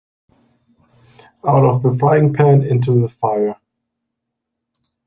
Out of the frying pan into the fire.